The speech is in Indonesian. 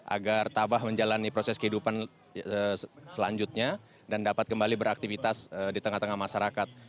agar tabah menjalani proses kehidupan selanjutnya dan dapat kembali beraktivitas di tengah tengah masyarakat